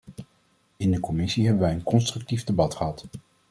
In de commissie hebben wij een constructief debat gehad.